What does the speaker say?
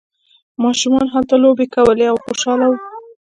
ماشومان هلته لوبې کولې او خوشحاله وو.